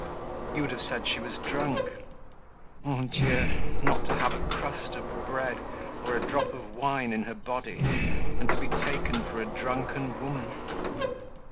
You would have said she was drunk. Mon Dieu! not to have a crust of bread, or a drop of wine in her body, and to be taken for a drunken women!